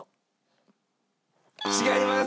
違います！